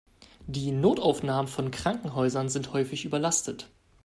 Die Notaufnahmen von Krankenhäusern sind häufig überlastet.